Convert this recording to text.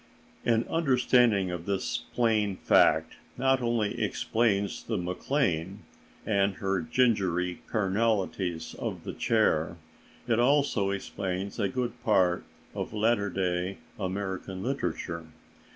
An understanding of this plain fact not only explains the MacLane and her gingery carnalities of the chair; it also explains a good part of latter day American literature.